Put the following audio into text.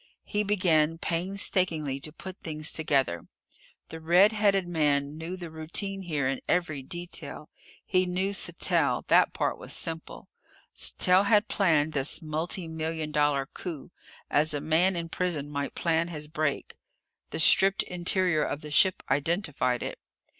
He began painstakingly to put things together. The red headed man knew the routine here in every detail. He knew Sattell. That part was simple. Sattell had planned this multi million dollar coup, as a man in prison might plan his break. The stripped interior of the ship identified it.